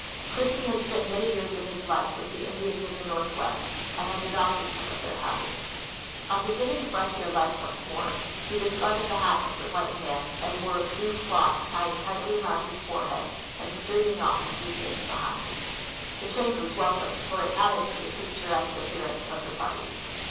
Christie has spent many years of his life with the Indians of the Northwest, and has adopted some of their habits. On beginning frontier life once more, he discarded the hat of the white man, and wore a blue cloth tied tightly around his forehead and streaming off in loose ends behind. The ch'ange was welcome, for it added to the picturesque appearance of the party.